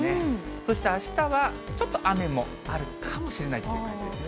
そしてあしたはちょっと雨もあるかもしれないという感じですね。